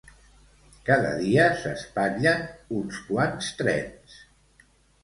Cada dia s'espatllen uns quants trens